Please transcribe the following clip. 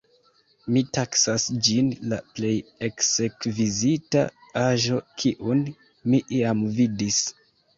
Mi taksas ĝin la plej ekskvizita aĵo kiun mi iam vidis.